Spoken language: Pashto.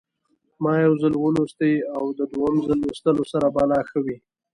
ما یو ځل ولوستی او د دویم ځل لوستلو سره به لا ښه وي.